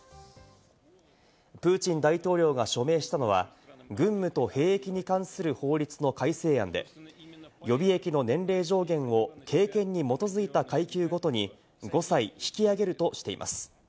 プーチン大統領が署名したのは軍務と兵役に関する法律の改正案で、予備役の年齢上限を経験に基づいた階級ごとに５歳引き上げるとしています。